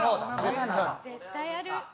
絶対ある。